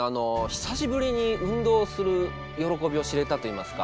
久しぶりに運動する喜びを知れたといいますか。